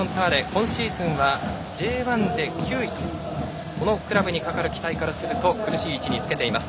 今シーズンはＪ１で９位このクラブにかかる期待からすると厳しい位置につけています。